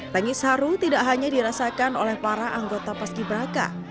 tangis haru tidak hanya dirasakan oleh para anggota paski braka